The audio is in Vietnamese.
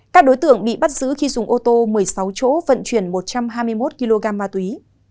các đối tượng bị bắt giữ khi dùng ô tô một mươi sáu chỗ vận chuyển một trăm hai mươi một kg ma túy